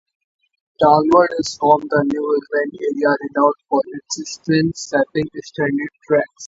Dowd is from the New England area, renowned for its strength-sapping, sandy tracks.